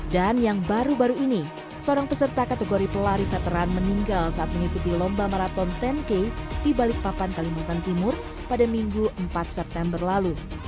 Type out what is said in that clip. dan yang baru baru ini seorang peserta kategori pelari veteran meninggal saat mengikuti lomba maraton sepuluh k di balik papan kalimantan timur pada minggu empat september lalu